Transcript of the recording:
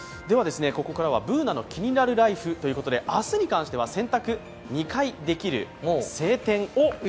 ここからは「ＢｏｏｎａのキニナルＬＩＦＥ」ということで、明日に関しては洗濯２回できる、晴天。